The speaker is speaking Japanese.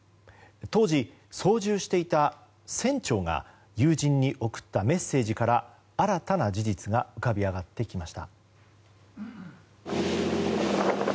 当時、操縦していた船長が友人に送ったメッセージから新たな事実が浮かび上がってきました。